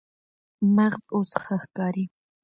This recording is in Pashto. مغز اوس ښه ښکاري.